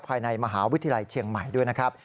ภายในมหาวิทยาลัยเชียงใหม่ด้วยนะครับ